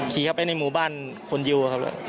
เข้าไปในหมู่บ้านคนยิวครับ